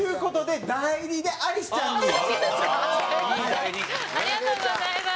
ありがとうございます。